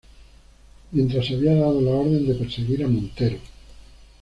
Mientras, se había dado la orden de perseguir a Montero.